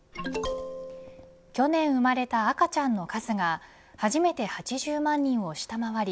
去年生まれた赤ちゃんの数が初めて８０万人を下回り